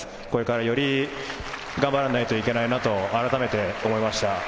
これからより頑張らないといけないなとあらためて思いました。